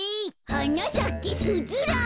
「はなさけスズラン」